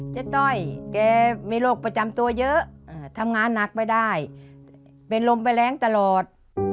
ต้อยแกมีโรคประจำตัวเยอะทำงานหนักไปได้เป็นลมไปแรงตลอด